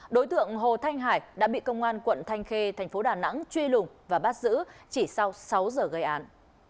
đối tượng hồ thanh hải đã bị công an quận thanh khê thành phố đà nẵng truy lùng và bắt giữ chỉ sau sáu giờ gây án